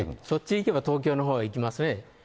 そっちに行けば東京のほうに行きますね。